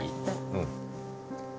うん。